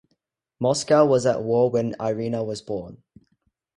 Moscow was at war when Irina was born.